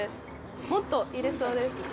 もっと入れるそうです。